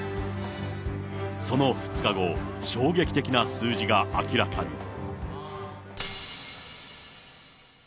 その２日後、衝撃的な数字が明らかに。